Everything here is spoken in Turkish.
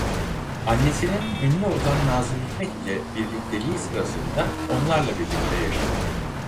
Annesinin ünlü ozan Nâzım Hikmet ile birlikteliği sırasında onlarla birlikte yaşadı.